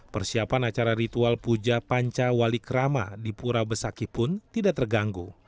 persiapan acara ritual puja panca wali krama di pura besaki pun tidak terganggu